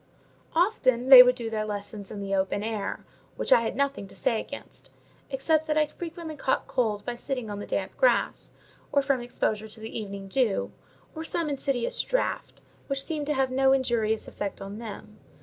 Often they would do their lessons in the open air; which I had nothing to say against: except that I frequently caught cold by sitting on the damp grass, or from exposure to the evening dew, or some insidious draught, which seemed to have no injurious effect on them.